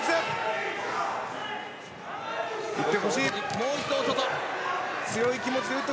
もう一度、大外。